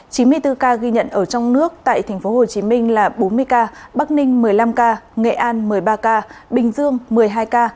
chín mươi bốn ca ghi nhận ở trong nước tại tp hcm là bốn mươi ca bắc ninh một mươi năm ca nghệ an một mươi ba ca bình dương một mươi hai ca